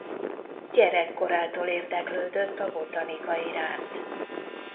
Gyerekkorától érdeklődött a botanika iránt.